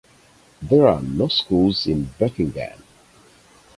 There are no schools in Buckingham.